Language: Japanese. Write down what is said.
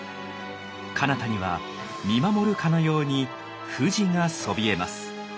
かなたには見守るかのように富士がそびえます。